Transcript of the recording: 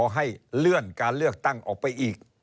ให้เลื่อนการเลือกตั้งออกไปอีก